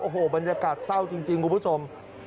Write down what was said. โอ้โหบรรยากาศเศร้าจริงคุณผู้ชม